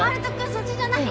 そっちじゃない！